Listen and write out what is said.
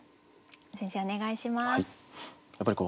先生お願いします。